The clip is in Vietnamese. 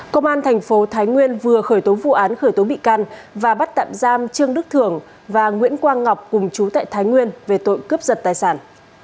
công an thành phố thái nguyên vừa khởi tố vụ án khởi tố bị can và bắt tạm giam trương đức thưởng và nguyễn quang ngọc cùng chú tại thái nguyên về tội cướp giật tài sản